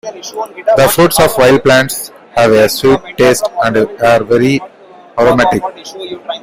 The fruits of wild plants have a sweet taste and are very aromatic.